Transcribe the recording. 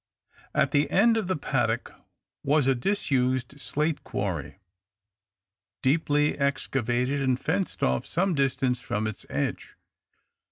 At the end of the paddock was a disused slate quarry, deeply excavated, and fenced off some distance from its edge.